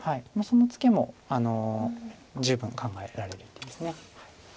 そのツケも十分考えられる一手です。